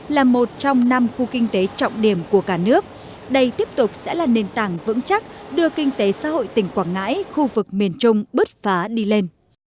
với trọng điểm của cả nước đây tiếp tục sẽ là nền tảng vững chắc đưa kinh tế xã hội tỉnh quảng ngãi khu vực miền trung bứt phá đi lên